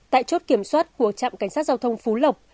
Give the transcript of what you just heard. tại chốt kiểm soát của trạm cảnh sát giao thông phú lộc